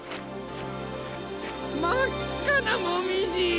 まっかなもみじ！